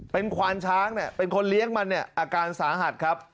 เป็นควานช้างเป็นคนเลี้ยงมันอาการสาหัสครับ